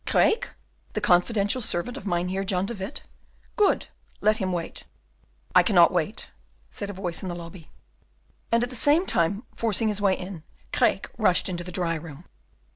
"Craeke! the confidential servant of Mynheer John de Witt? Good, let him wait." "I cannot wait," said a voice in the lobby. And at the same time forcing his way in, Craeke rushed into the dry room.